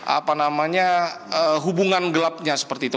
apa namanya hubungan gelapnya seperti itu